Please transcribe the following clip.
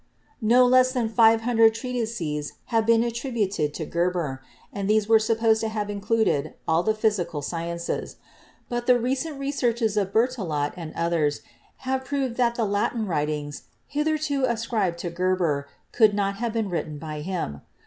No less than 500 treatises have been attributed to Geber, and these are supposed to have included all the physical sciences ; but the recent researches of Berthelot and others have proved that the Latin writings hitherto ascribed to Geber could not have been written by him.